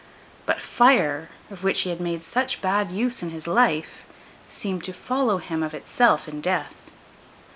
But fire, of which he had made such bad use in his life, seemed to follow him of itself in death.